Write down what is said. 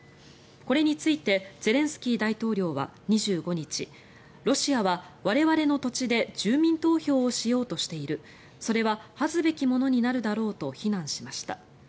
これについてゼレンスキー大統領は２５日ロシアは我々の土地で住民投票をしようとしているそれは恥ずべきものになるだろうと非難しました。